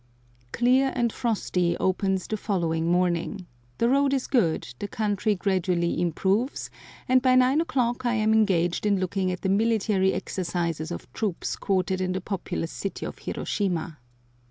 Clear and frosty opens the following morning; the road is good, the country gradually improves, and by nine o'clock I am engaged in looking at the military exercises of troops quartered in the populous city of Hiroshima.